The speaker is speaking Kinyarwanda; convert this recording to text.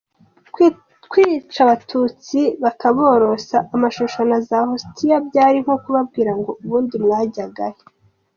Kwica Abatutsi bakaborosa amashusho na za Hostiya, byari nko kubabwira ngo ubundi mwajyaga he ?